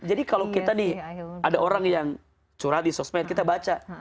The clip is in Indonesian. jadi kalau kita nih ada orang yang curhat di sosmed kita baca